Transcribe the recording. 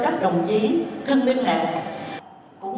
thương minh này